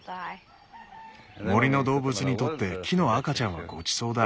森の動物にとって木の赤ちゃんはごちそうだ。